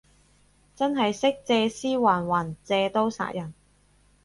真係識借屍還魂，借刀殺人